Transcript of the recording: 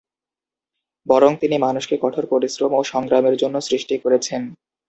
বরং তিনি মানুষকে কঠোর পরিশ্রম ও সংগ্রামের জন্য সৃষ্টি করেছেন।